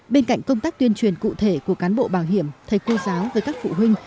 bên cạnh công tác tuyên truyền cụ thể của cán bộ bảo hiểm thầy cô giáo với các phụ huynh